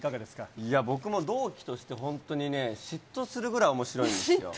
いや、僕も同期として本当にね、嫉妬するぐらいおもしろいんですよ。